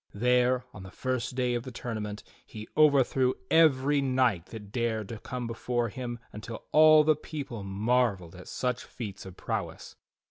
There, on the first day of the tournament, he overthrew every knight that dared to come before him until all the people marvelled at such feats of prowess.